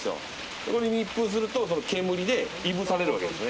これで密封すると煙でいぶされるわけですね。